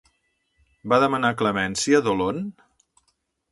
Va demanar clemència Dolon?